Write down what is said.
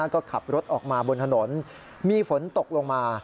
ก็ขับรถออกมาบนถนนมีฝนตกลงมา